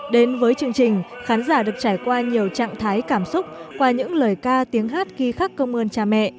đến với chương trình khán giả được trải qua nhiều trạng thái cảm xúc qua những lời ca tiếng hát ghi khắc công ơn cha mẹ